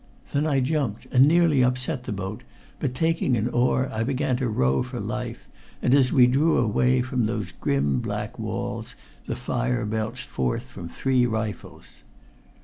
Then I jumped, and nearly upset the boat, but taking an oar I began to row for life, and as we drew away from those grim, black walls the fire belched forth from three rifles.